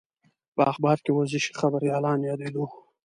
په اخبار کې ورزشي خبریالان یادېدو.